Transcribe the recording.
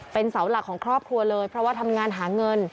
เป็นเสาหลักของครอบครัวเลยเพราะว่าทำงานหาเงิน